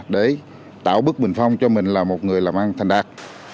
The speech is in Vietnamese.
để tạo bức bình phong cho mình là một người làm ăn thành đạt